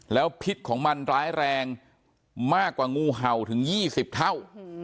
แล้วพิษของมันร้ายแรงมากกว่างูเห่าถึง๒๐เท่า